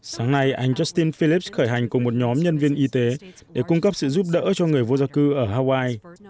sáng nay anh justin files khởi hành cùng một nhóm nhân viên y tế để cung cấp sự giúp đỡ cho người vô gia cư ở hawaii